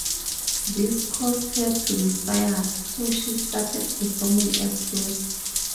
This caused her to be fired, so she started performing elsewhere.